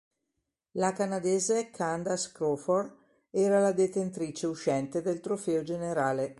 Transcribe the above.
La canadese Candace Crawford era la detentrice uscente del trofeo generale.